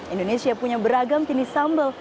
indonesia punya beragam jenis sambal